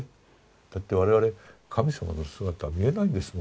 だって我々神様の姿見えないんですもの。